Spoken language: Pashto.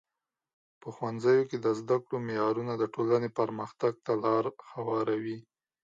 په ښوونځیو کې د زده کړو معیارونه د ټولنې پرمختګ ته لار هواروي.